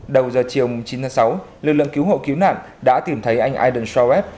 đầu giờ chiều chín tháng sáu lực lượng cứu hộ cứu nạn đã tìm thấy anh aiden shaw web